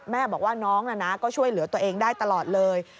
แม่บอกว่าน้องก็ช่วยเหลือตัวเองได้ตลอดเลย